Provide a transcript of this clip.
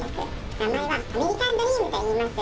名前がアメリカンドリームといいます。